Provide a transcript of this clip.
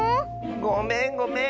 ごめんごめん。